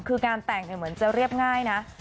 คืองานแต่งเหมือนจะเรียบง่ายนะ